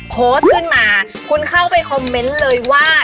โพสต์ขึ้นมาคุณเข้าไปคอมเมนต์เลยว่า